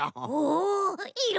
おいろ